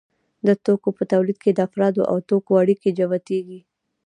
د توکو په تولید کې د افرادو او توکو اړیکې جوتېږي